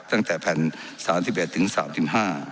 ตั้งแต่พันศาลที่๑๘ถึงศาลที่๑๕